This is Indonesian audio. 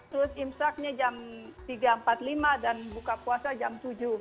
terus imsaknya jam tiga empat puluh lima dan buka puasa jam tujuh